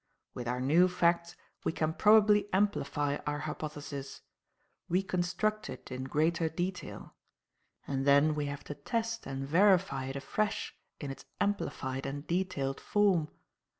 "With our new facts we can probably amplify our hypothesis; reconstruct it in greater detail; and then we have to test and verify it afresh in its amplified and detailed form.